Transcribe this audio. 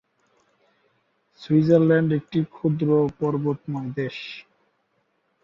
Switzerland একটি ক্ষুদ্র পর্বতময় দেশ।